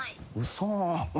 嘘！？